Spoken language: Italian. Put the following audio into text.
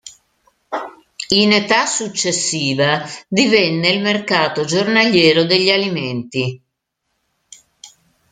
In età successiva divenne il mercato giornaliero degli alimenti.